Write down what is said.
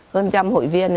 hơn trăm hội viên